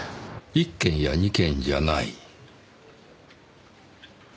１件や２件じゃない。